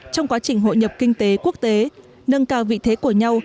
trong quá trình hội nhập kinh tế quốc tế nâng cao vị thế của nhau